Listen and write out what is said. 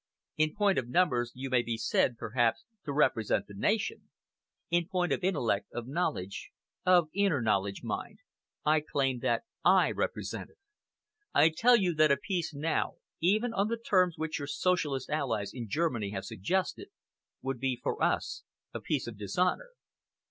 "In point of numbers you may be said, perhaps, to represent the nation. In point of intellect, of knowledge of inner knowledge, mind I claim that I represent it. I tell you that a peace now, even on the terms which your Socialist allies in Germany have suggested, would be for us a peace of dishonour."